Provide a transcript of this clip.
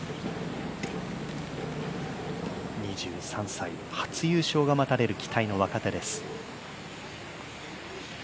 ２３歳、初優勝が待たれる期待の若手です。